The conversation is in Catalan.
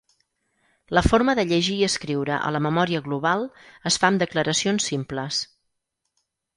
La forma de llegir i escriure a la memòria global es fa amb declaracions simples.